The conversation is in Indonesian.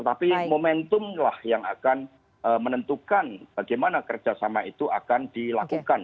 tapi momentum lah yang akan menentukan bagaimana kerjasama itu akan dilakukan